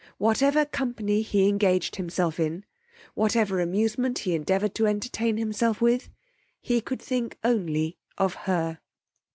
Whatever company he engaged himself in, whatever amusement he endeavoured to entertain himself with, he could think only of her.